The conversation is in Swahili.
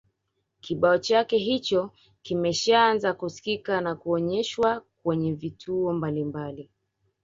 kibao chake hicho kimeshaanza kusikika na kuonyeshwa kwenye vituo mbalimbali